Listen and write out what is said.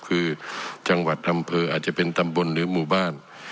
คือจังหวัดอำเภออาจจะเป็นตำบลหรือหมู่บ้าน